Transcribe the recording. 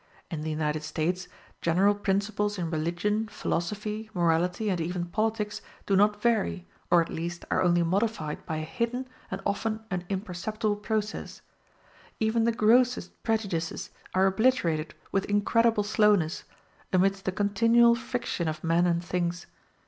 In the United States, general principles in religion, philosophy, morality, and even politics, do not vary, or at least are only modified by a hidden and often an imperceptible process: even the grossest prejudices are obliterated with incredible slowness, amidst the continual friction of men and things.